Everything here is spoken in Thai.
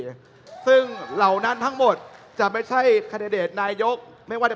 ผมก็จะยกมือให้พิธาริมเจริรัตนายโยคจากพักเพื่อไทยเป็นนายโยคมันตรี